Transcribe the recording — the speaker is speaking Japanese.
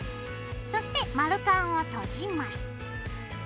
そして丸カンを閉じます。